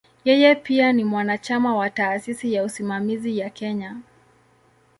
Yeye pia ni mwanachama wa "Taasisi ya Usimamizi ya Kenya".